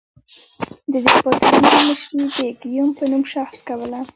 د دې پاڅونونو مشري د ګیوم په نوم شخص کوله.